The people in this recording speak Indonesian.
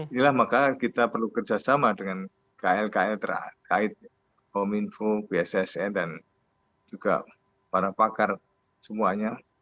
inilah maka kita perlu kerjasama dengan kl kl terkait kominfo bssn dan juga para pakar semuanya